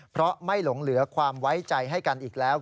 เพราะไม่หลงเหลือความไว้ใจให้กันอีกแล้ว